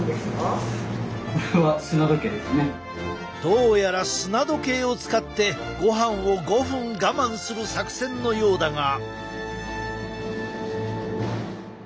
どうやら砂時計を使ってごはんを５分我慢する作戦のようだが。